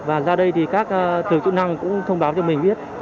và ra đây thì các thường chủ năng cũng thông báo cho mình biết